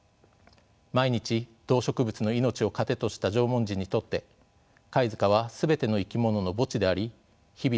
毎日動植物の命を糧とした縄文人にとって貝塚は全ての生き物の墓地であり日々の祭祀場でした。